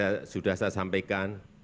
yang sudah saya sampaikan